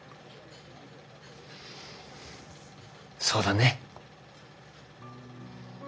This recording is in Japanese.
そうだね。